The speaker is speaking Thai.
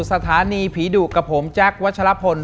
สถานีผีดุกระผมจากวัชลพล